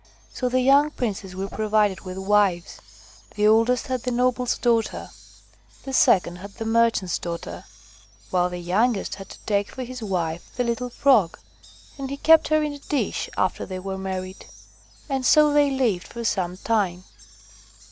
So the young princes were provided with wives. The oldest had the noble's daughter; the second had the merchant's daughter; while the youngest had to take for his wife the little Frog, and he kept her in a dish after they were married. And so they lived for some time.